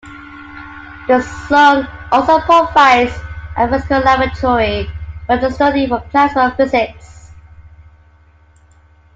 The Sun also provides a "physical laboratory" for the study of plasma physics.